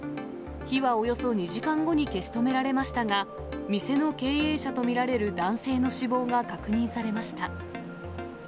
火はおよそ２時間後に消し止められましたが、店の経営者と見られる男性の死亡が確認されました。